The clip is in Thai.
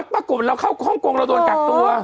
ปรากฏเราเข้าฮ่องกงเราโดนกักตัว